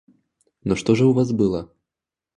Но что же у вас было?